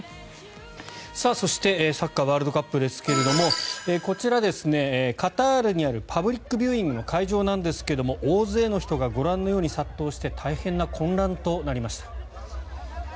そしてサッカーワールドカップですがこちら、カタールにあるパブリックビューイングの会場ですが大勢の人がご覧のように殺到して大変な混乱となりました。